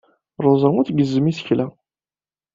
Ṛuza ur tgezzem isekla.